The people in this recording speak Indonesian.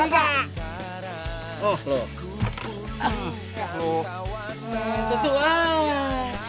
kaki gua dulu lepasin